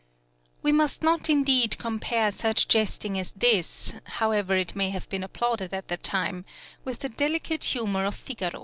} (8l) [See Page Image] We must not indeed compare such jesting as this, however it may have been applauded at the time, with the delicate humour of Figaro.